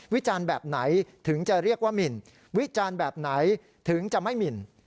วิจารณ์แบบไหนถึงจะเรียกว่าหมินวิจารณ์แบบไหนถึงจะไม่หมิน